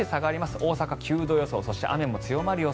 大阪、９度予想。